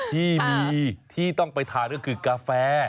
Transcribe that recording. ที่มีที่ต้องไปทานก็คือกาแฟ